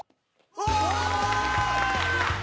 うわ！